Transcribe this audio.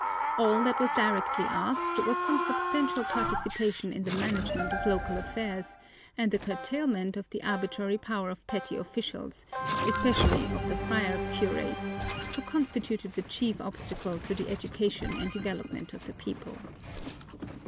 All that was directly asked was some substantial participation in the management of local affairs, and the curtailment of the arbitrary power of petty officials, especially of the friar curates, who constituted the chief obstacle to the education and development of the people.